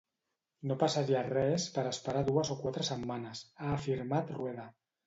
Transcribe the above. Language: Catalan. No passaria res per esperar dues o quatre setmanes, ha afirmat Rueda.